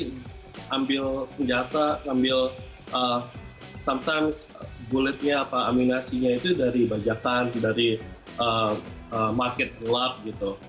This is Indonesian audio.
ngambil senjata ngambil sometimes bullet nya atau amunasinya itu dari banjakan dari market gelap gitu